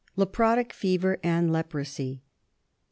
Leprotic Fever and Leprosy.